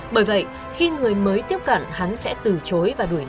bởi vậy khi người mới tiếp cận hắn sẽ từ chối và đuổi đánh